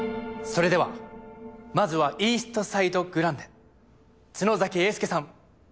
それではまずはイーストサイド・グランデ角崎英介さん